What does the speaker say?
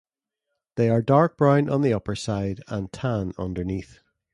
They are dark brown on the upper side and tan underneath.